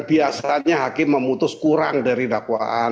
biasanya hakim memutus kurang dari dakwaan